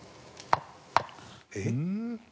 えっ？